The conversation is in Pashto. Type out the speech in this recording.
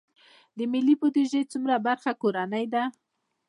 د ملي بودیجې څومره برخه کورنۍ ده؟